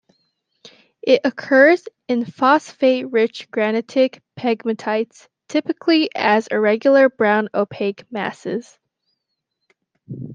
It occurs in phosphate-rich granitic pegmatites typically as irregular brown opaque masses.